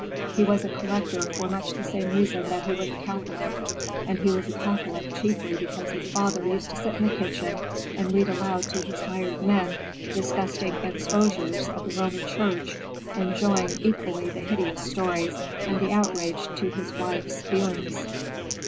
He was a collector for much the same reason that he was a Catholic, and he was a Catholic chiefly because his father used to sit in the kitchen and read aloud to his hired men disgusting "exposures" of the Roman Church, enjoying equally the hideous stories and the outrage to his wife's feelings.